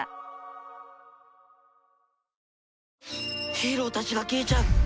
ヒーローたちが消えちゃう！